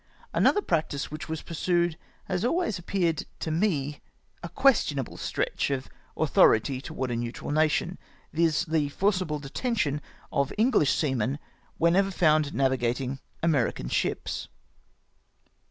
Another practice which was pursued has always appeared to me a cjuestionable stretch of authority towards a neutral nation, viz. the forcible detention of Enghsh seamen whenever found navigating American ships.